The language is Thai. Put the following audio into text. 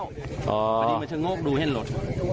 ปีนมาเชิงโน๊กดูแห้นหลด